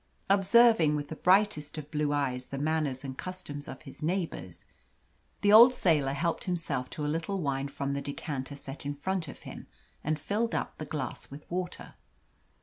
Observing with the brightest of blue eyes the manners and customs of his neighbours, the old sailor helped himself to a little wine from the decanter set in front of him, and filled up the glass with water.